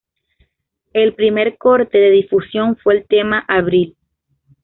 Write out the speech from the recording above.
El primer corte de difusión fue el tema Abril.